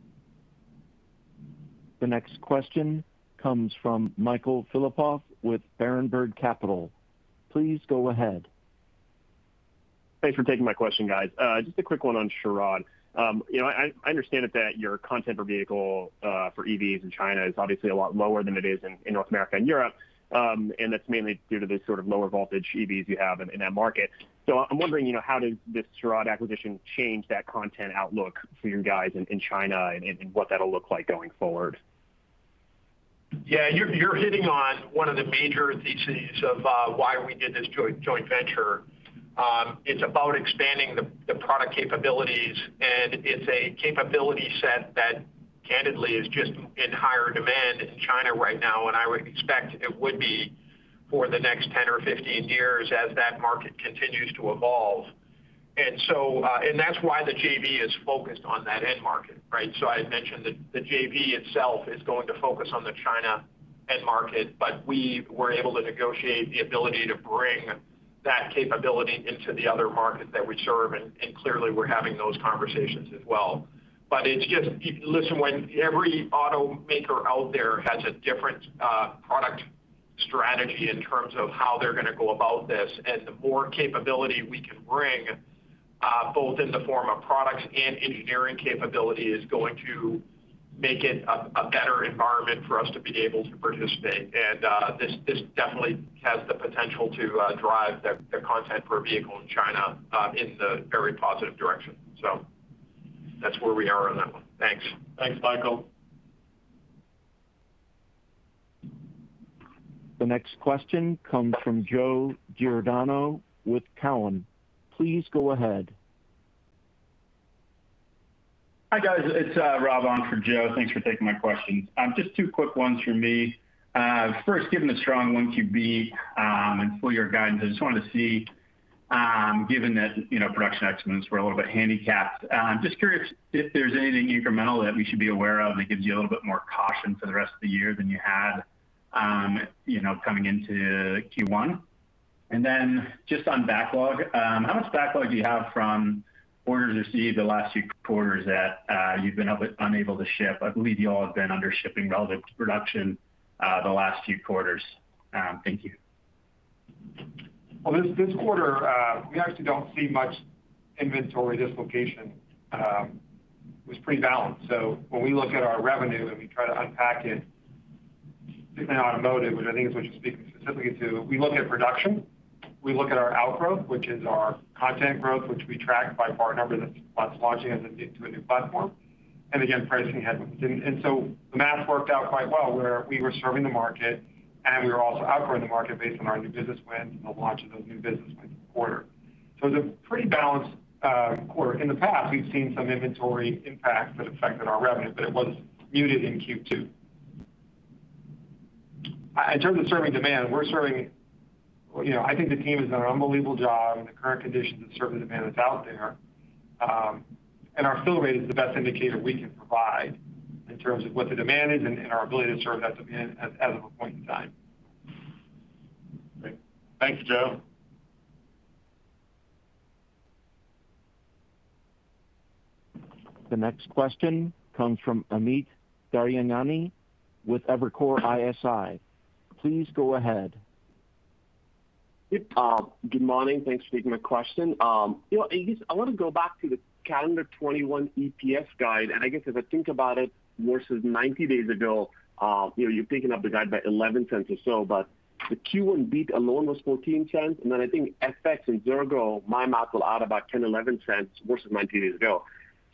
The next question comes from Michael Filatov with Berenberg Capital. Please go ahead. Thanks for taking my question, guys. Just a quick one on Churod. I understand that your content per vehicle for EVs in China is obviously a lot lower than it is in North America and Europe, and that's mainly due to the sort of lower voltage EVs you have in that market. I'm wondering, how does this Churod acquisition change that content outlook for your guys in China and what that'll look like going forward? Yeah. You're hitting on one of the major theses of why we did this joint venture. It's about expanding the product capabilities, and it's a capability set that candidly is just in higher demand in China right now, and I would expect it would be for the next 10 or 15 years as that market continues to evolve. That's why the JV is focused on that end market, right? I had mentioned the JV itself is going to focus on the China end market, but we were able to negotiate the ability to bring that capability into the other markets that we serve, and clearly we're having those conversations as well. Listen, when every automaker out there has a different product strategy in terms of how they're going to go about this, and the more capability we can bring, both in the form of products and engineering capability, is going to make it a better environment for us to be able to participate. This definitely has the potential to drive the content per vehicle in China in the very positive direction. That's where we are on that one. Thanks. Thanks, Michael. The next question comes from Joe Giordano with Cowen. Please go ahead. Hi, guys. It's Rob on for Joe. Thanks for taking my questions. Just two quick ones from me. First, given the strong Q1 and full-year guidance, I just wanted to see, given that production estimates, we're a little bit handicapped. Just curious if there's anything incremental that we should be aware of that gives you a little bit more caution for the rest of the year than you had coming into Q1. Just on backlog. How much backlog do you have from orders received the last few quarters that you've been unable to ship? I believe you all have been under shipping relative to production the last few quarters. Thank you. Well, this quarter, we actually don't see much inventory dislocation. It was pretty balanced. When we look at our revenue and we try to unpack it, particularly in automotive, which I think is what you're speaking specifically to, we look at production. We look at our outgrowth, which is our content growth, which we track by part number that's launching into a new platform. Again, pricing headwinds. The math worked out quite well, where we were serving the market, and we were also outgrowing the market based on our new business wins and the launch of those new business wins in the quarter. It was a pretty balanced quarter. In the past, we've seen some inventory impacts that affected our revenue, but it was muted in Q2. In terms of serving demand, I think the team has done an unbelievable job in the current conditions of serving the demand that's out there. Our fill rate is the best indicator we can provide in terms of what the demand is and our ability to serve that demand as of a point in time. Great. Thanks, Joe. The next question comes from Amit Daryanani with Evercore ISI. Please go ahead. Good morning. Thanks for taking my question. Paul, I want to go back to the calendar 2021 EPS guide. I guess as I think about it versus 90 days ago, you're picking up the guide by $0.11 or so, but the Q1 beat alone was $0.14. I think FX and Xirgo, my math, go out about $0.10, $0.11 versus 90 days ago.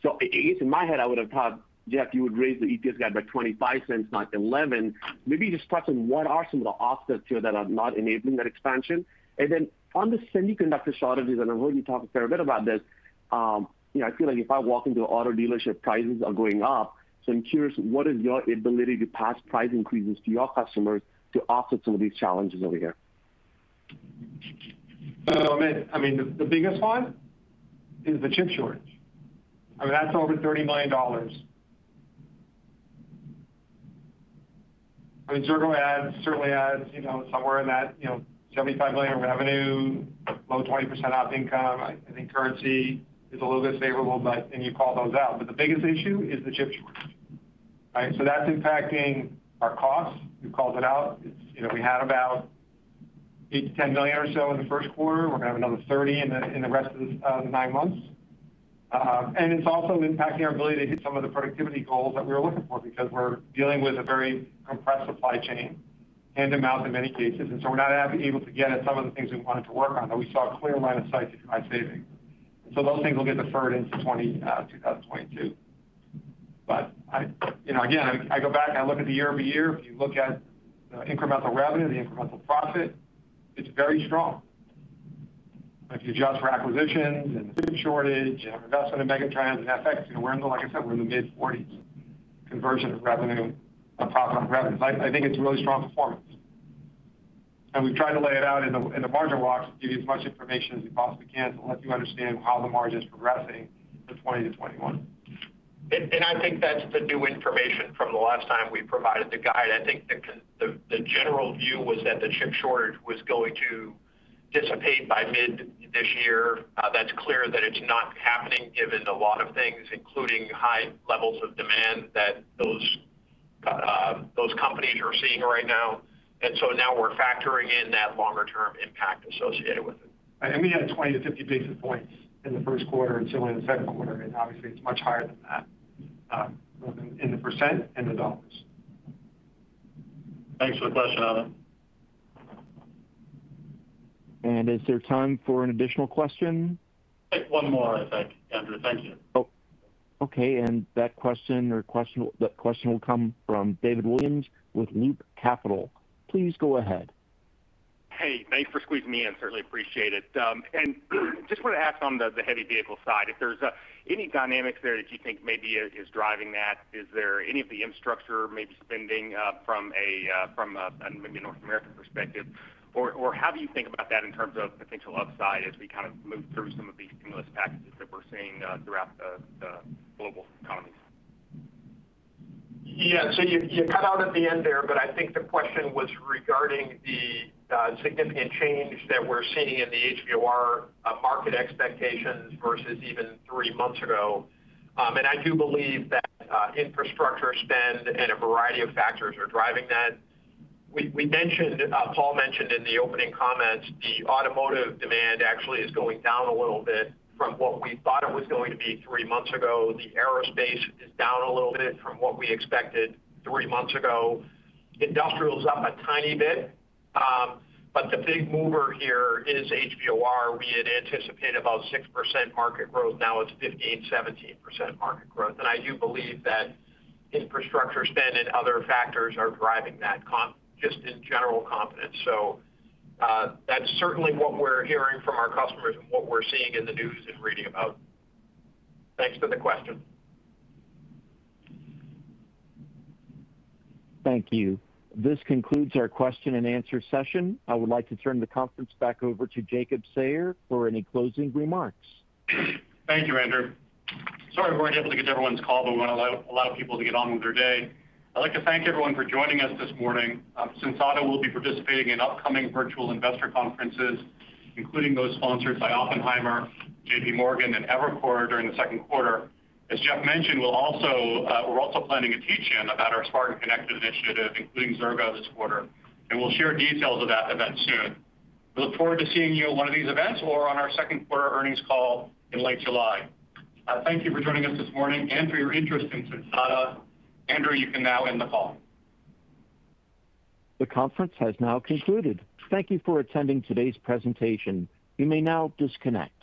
Paul, in my head, I would have thought, Jeff, you would raise the EPS guide by $0.25, not $0.11. Maybe just talk to what are some of the offsets here that are not enabling that expansion? On the semiconductor shortages, and I've heard you talk a fair bit about this. I feel like if I walk into an auto dealership, prices are going up. I'm curious, what is your ability to pass price increases to your customers to offset some of these challenges over here? Amit, the biggest one is the chip shortage. That's over $30 million. Xirgo certainly adds somewhere in that $75 million revenue, low 20% op income. I think currency is a little bit favorable, and you called those out. The biggest issue is the chip shortage. Right? That's impacting our costs. You called it out. We had about $8 million-$10 million or so in the first quarter. We're going to have another $30 million in the rest of the nine months. It's also impacting our ability to hit some of the productivity goals that we were looking for because we're dealing with a very compressed supply chain, hand-to-mouth in many cases. We're not able to get at some of the things we wanted to work on, that we saw a clear line of sight to try saving. Those things will get deferred into 2022. Again, I go back and I look at the year-over-year. If you look at the incremental revenue, the incremental profit, it's very strong. If you adjust for acquisitions and chip shortage and investment in Megatrends and FX, like I said, we're in the mid-40s conversion of revenue, of profit on revenues. I think it's really strong performance. We've tried to lay it out in the margin walks to give you as much information as we possibly can to let you understand how the margin's progressing from 2020 to 2021. I think that's the new information from the last time we provided the guide. I think the general view was that the chip shortage was going to dissipate by mid this year. That's clear that it's not happening given a lot of things, including high levels of demand that those companies are seeing right now. Now we're factoring in that longer term impact associated with it. We had 20-50 basis points in the first quarter and similar in the second quarter, and obviously it's much higher than that, both in the percent and the dollars. Thanks for the question, Amit. Is there time for an additional question? Take one more, I think, Andrew. Thank you. Okay. That question will come from David Williams with Loop Capital. Please go ahead. Hey, thanks for squeezing me in. Certainly appreciate it. Just want to ask on the heavy vehicle side, if there's any dynamics there that you think maybe is driving that? Is there any of the infrastructure maybe spending from maybe a North American perspective? How do you think about that in terms of potential upside as we kind of move through some of these stimulus packages that we're seeing throughout the global economies? Yeah. You cut out at the end there, but I think the question was regarding the significant change that we're seeing in the HVOR market expectations versus even three months ago. I do believe that infrastructure spend and a variety of factors are driving that. Paul mentioned in the opening comments the automotive demand actually is going down a little bit from what we thought it was going to be three months ago. The aerospace is down a little bit from what we expected three months ago. Industrial's up a tiny bit. The big mover here is HVOR. We had anticipated about 6% market growth. Now it's 15%, 17% market growth. I do believe that infrastructure spend and other factors are driving that, just in general confidence. That's certainly what we're hearing from our customers and what we're seeing in the news and reading about. Thanks for the question. Thank you. This concludes our question and answer session. I would like to turn the conference back over to Jacob Sayer for any closing remarks. Thank you, Andrew. Sorry we weren't able to get to everyone's call, but we want to allow people to get on with their day. I'd like to thank everyone for joining us this morning. Sensata will be participating in upcoming virtual investor conferences, including those sponsored by Oppenheimer, J.P. Morgan, and Evercore during the second quarter. As Jeff mentioned, we're also planning a teach-in about our Smart and Connected initiative, including Xirgo this quarter. We'll share details of that event soon. We look forward to seeing you at one of these events or on our second quarter earnings call in late July. Thank you for joining us this morning and for your interest in Sensata. Andrew, you can now end the call. The conference has now concluded. Thank you for attending today's presentation. You may now disconnect.